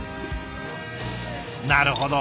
なるほど。